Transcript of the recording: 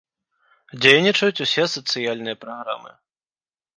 Дзейнічаюць усе сацыяльныя праграмы.